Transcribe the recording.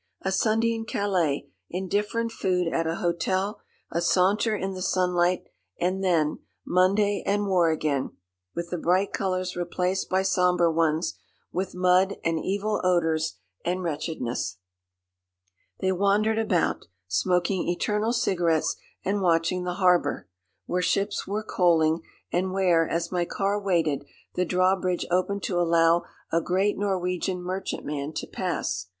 A Sunday in Calais, indifferent food at a hotel, a saunter in the sunlight, and then Monday and war again, with the bright colours replaced by sombre ones, with mud and evil odours and wretchedness. They wandered about, smoking eternal cigarettes and watching the harbour, where ships were coaling, and where, as my car waited, the drawbridge opened to allow a great Norwegian merchantman to pass.